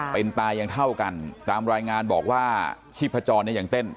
เป็นตายังเท่ากันตามรายงานบอกว่าชีพจรเนี่ยยังเต้น